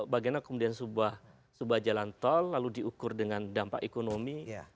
bagaimana kemudian sebuah jalan tol lalu diukur dengan dampak ekonomi